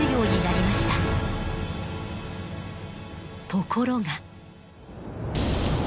ところが。